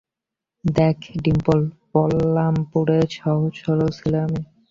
দেখ ডিম্পল, পালামপুরের সহজ-সরল ছেলে আমি।